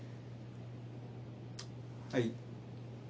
はい。